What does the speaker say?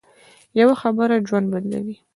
یوه خبره ژوند بدلوي